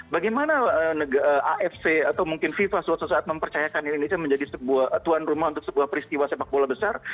bagaimana afc atau mungkin fifa suatu saat mempercayakan indonesia menjadi sebuah tuan rumah untuk sebuah peristiwa sepak bola besar